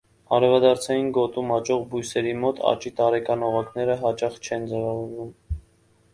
Արևադարձային գոտում աճող բույսերի մոտ աճի տարեկան օղակները հաճախ չեն ձևավորվում։